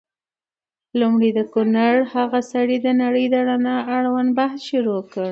ړومبی د کونړ هغه ړوند سړي د نړۍ د رڼا اړوند بحث شروع کړ